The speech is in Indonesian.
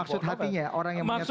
maksud hatinya orang yang menyatakan